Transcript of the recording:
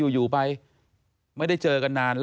อยู่ไปไม่ได้เจอกันนานแล้ว